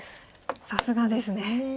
さすがですね。